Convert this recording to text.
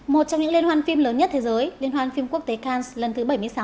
một trong những liên hoan phim lớn nhất thế giới liên hoan phim quốc tế canx lần thứ bảy mươi sáu